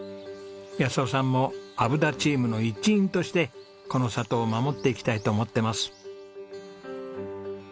夫さんも虻田チームの一員としてこの里を守っていきたいと思ってます。